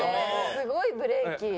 すごいブレーキ。